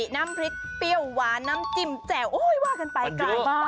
น้ำพริกเปรี้ยวหวานน้ำจิ้มแจ่วโอ้ยว่ากันไปไกลมาก